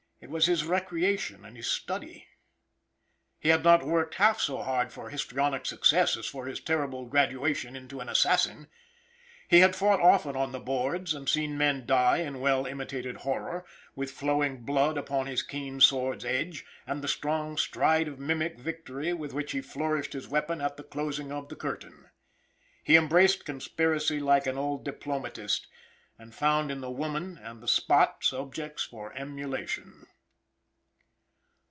It was his recreation and his study. He had not worked half so hard for histrionic success as for his terrible graduation into an assassin. He had fought often on the boards, and seen men die in well imitated horror, with flowing blood upon his keen sword's edge, and the strong stride of mimic victory with which he flourished his weapon at the closing of the curtain. He embraced conspiracy like an old diplomatist, and found in the woman and the spot subjects for emulation.